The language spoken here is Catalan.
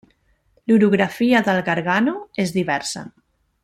L'orografia del Gargano és diversa.